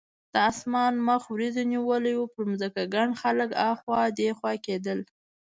د اسمان مخ وریځو نیولی و، پر ځمکه ګڼ خلک اخوا دیخوا کېدل.